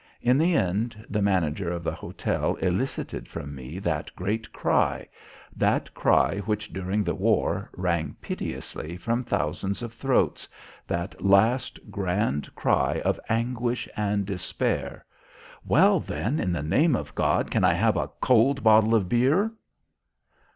In the end, the manager of the hotel elicited from me that great cry, that cry which during the war, rang piteously from thousands of throats, that last grand cry of anguish and despair: "_Well, then, in the name of God, can I have a cold bottle of beer?